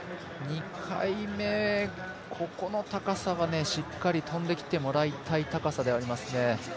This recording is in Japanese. ２回目、ここの高さはしっかり跳んできてもらいたい高さではありますね。